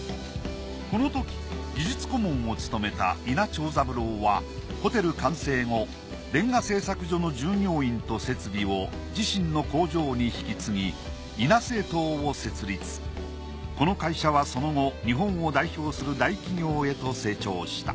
このとき技術顧問を務めた伊奈長三郎はホテル完成後煉瓦製作所の従業員と設備を自身の工場に引き継ぎこの会社はその後日本を代表する大企業へと成長した。